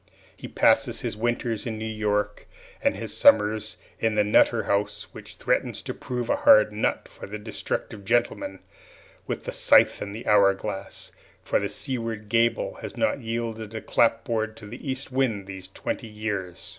He passes his winters in New York and his summers in the Nutter House, which threatens to prove a hard nut for the destructive gentleman with the scythe and the hour glass, for the seaward gable has not yielded a clapboard to the eastwind these twenty years.